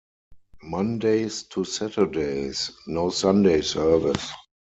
Mondays to Saturdays - no Sunday service.